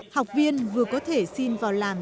học viên vừa có thể xin vào làm